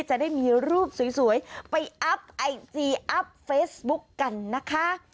จะได้มีรูปสวยไปอัพไอจีอัพเฟซบุ๊กกันนะคะ